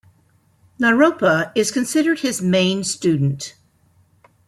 Naropa is considered his main student.